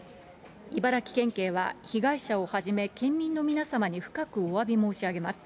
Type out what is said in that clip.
茨城県警は、被害者をはじめ、県民の皆様に深くおわび申し上げます。